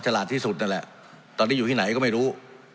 ฉลาดที่สุดนั่นแหละตอนนี้อยู่ที่ไหนก็ไม่รู้